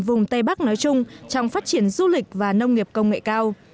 ở vùng tây bắc nói chung trong phát triển du lịch và nông nghiệp công nghệ cao